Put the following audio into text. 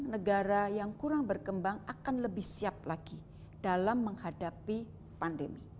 negara yang kurang berkembang akan lebih siap lagi dalam menghadapi pandemi